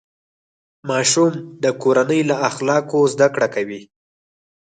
ماشوم د کورنۍ له اخلاقو زده کړه کوي.